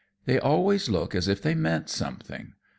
They always look as if they meant something.